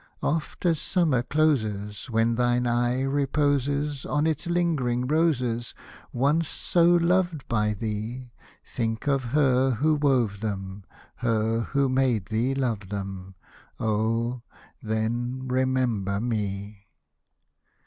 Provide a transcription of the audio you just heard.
Oft as summer closes, When thine eye reposes On its lingering roses, Once so loved by thee. Think of her who wove them, Her who made thee love them, Oh ! then remember me.